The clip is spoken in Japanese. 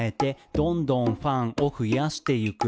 「どんどんファンを増やしていく」